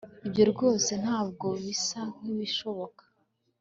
ibyo rwose ntabwo bisa nkibishoboka